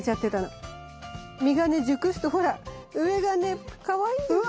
実がね熟すとほら上がねかわいいんですよ。